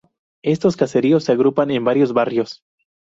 Estos caseríos se agrupan en varios barrios.